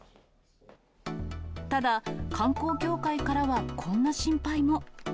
ただ、観光協会からはこんな心配も。